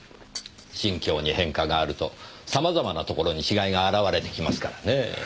心境に変化があると様々なところに違いが表れてきますからね人間は。